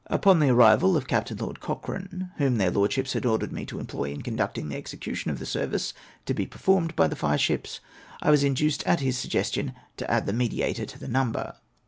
Upon the arrival of Captain Lord Cochrane, whom their Lord LORD GMIBIERS SECOA'D DESrATCIL 409 ships had ordered me to employ in conducting the execution of the service to be performed by the fireships, I was induced, at his suggestion, to add the Mediator to the number.